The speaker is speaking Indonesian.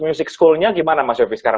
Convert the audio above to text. music schoolnya gimana mas yofi sekarang